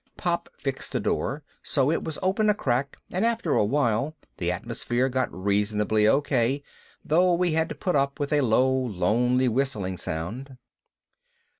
Pop fixed the door so it was open a crack and after a while the atmosphere got reasonably okay though we had to put up with a low lonely whistling sound.